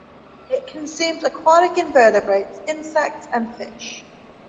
It consumes aquatic invertebrates, insects, and fish.